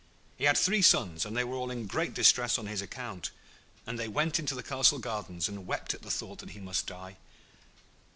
He had three sons, and they were all in great distress on his account, and they went into the castle gardens and wept at the thought that he must die.